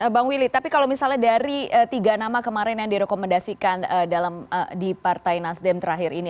bang willy tapi kalau misalnya dari tiga nama kemarin yang direkomendasikan di partai nasdem terakhir ini